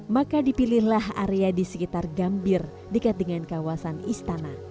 maka dipilihlah area di sekitar gambir dekat dengan kawasan istana